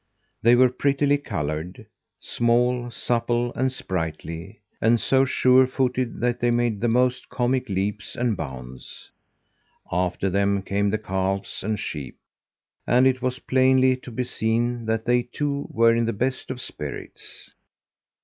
They were prettily coloured, small, supple and sprightly, and so sure footed that they made the most comic leaps and bounds. After them came the calves and sheep, and it was plainly to be seen that they, too, were in the best of spirits.